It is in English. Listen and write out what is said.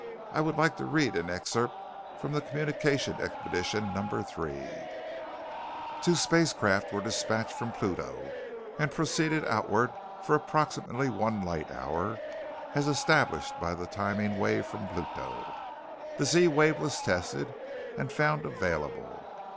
I would like to read an excerpt from the Communications Expedition Number Three: "'... Two spacecraft were dispatched from Pluto and proceeded outward for approximately one light hour as established by the timing wave from Pluto. The Z wave was tested and found available